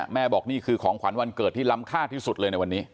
บอกนี่คือของขวัญวันเกิดที่ล้ำค่าที่สุดเลยในวันนี้